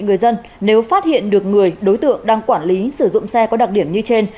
người dân nếu phát hiện được người đối tượng đang quản lý sử dụng xe có đặc điểm như trên